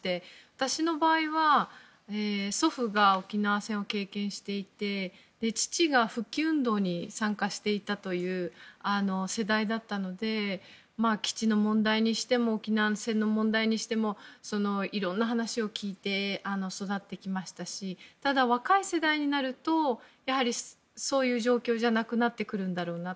私の場合は祖父が沖縄戦を経験していて父が復帰運動に参加していたという世代だったので基地の問題にしても沖縄戦の問題にしてもいろんな話を聞いて育ってきましたしただ若い世代になるとやはりそういう状況じゃなくなってくるんだろうな。